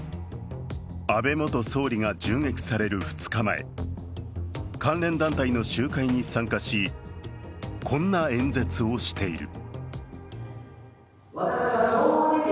安倍元総理が銃撃される２日前、関連団体の集会に参加しこんな演説をしている。